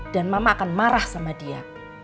dan mama akan marah sama dia